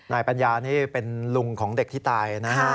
นายปัญญานี่เป็นลุงของเด็กที่ตายนะฮะ